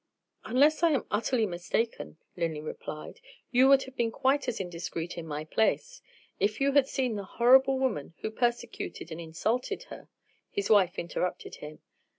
"Unless I am utterly mistaken," Linley replied, "you would have been quite as indiscreet, in my place. If you had seen the horrible woman who persecuted and insulted her " His wife interrupted him.